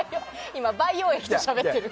今、培養液としゃべってる。